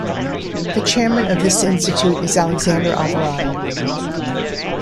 The chairman of this institute is Alexander Alvarado.